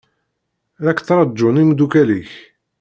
La k-ttṛaǧun imeddukal-ik.